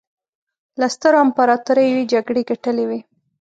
له سترو امپراطوریو یې جګړې ګټلې وې.